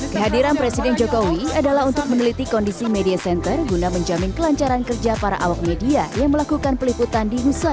kehadiran presiden jokowi adalah untuk meneliti kondisi media center guna menjamin kelancaran kerja para awak media yang melakukan peliputan di hulu